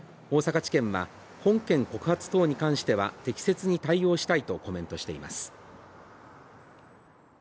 大阪地検は本件告発等に関しては適切に対応したいとコメントしています。